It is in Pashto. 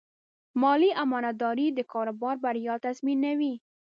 مالي امانتداري د کاروبار بریا تضمینوي.